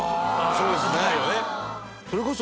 そうですね。